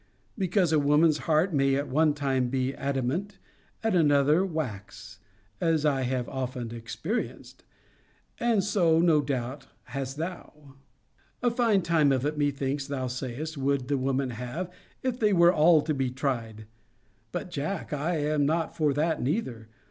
Because a woman's heart may at one time be adamant, at another wax' as I have often experienced. And so, no doubt, hast thou. A fine time of it, methinks, thou sayest, would the woman have, if they were all to be tried ! But, Jack, I am not for that neither.